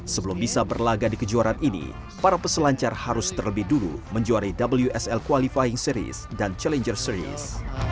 sebelum bisa berlagak di kejuaraan ini para peselancar harus terlebih dulu menjuari wsl qualifying series dan challenger series